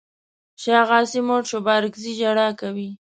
شاغاسي مړ شو بارکزي ژړا کوي.